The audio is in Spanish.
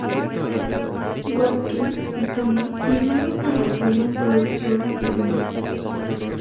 Watkins y Thomas firmaron para ser las productoras del mismo.